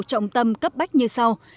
trọng tâm cấp bách như sau